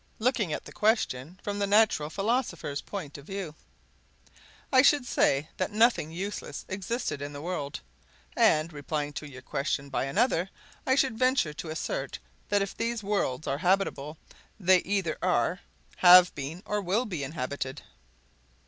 Looking at the question from the natural philosopher's point of view, I should say that nothing useless existed in the world; and, replying to your question by another, I should venture to assert, that if these worlds are habitable, they either are, have been, or will be inhabited."